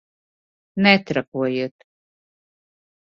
Netrakojiet!